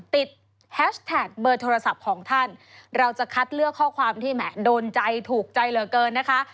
แฮชแท็กเบอร์โทรศัพท์ของท่านเราจะคัดเลือกข้อความที่แหมโดนใจถูกใจเหลือเกินนะคะ